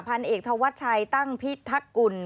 พันเอกธวัชชัยตั้งพิทักกุล